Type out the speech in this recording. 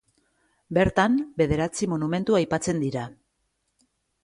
Bertan bederatzi monumentu aipatzen dira.